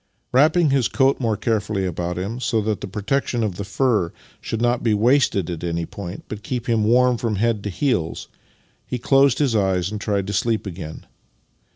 Wrapping his coat more carefully about him, so that the protection of the fur should not be wasted at an}' point, but keep him warm from head to heels, he closed his eyes and tried to sleep again.